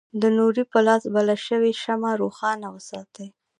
د نوري په لاس بله شوې شمعه روښانه وساتي.